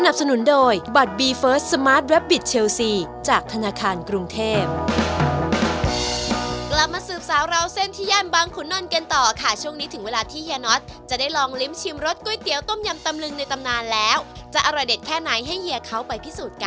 กลับมาสืบสาวราวเส้นที่ย่านบางขุนนท์กันต่อค่ะช่วงนี้ถึงเวลาที่เฮียน็อตจะได้ลองลิ้มชิมรสก๋วยเตี๋ยวต้มยำตำลึงในตำนานแล้วจะอร่อยเด็ดแค่ไหนให้เฮียเขาไปพิสูจนกัน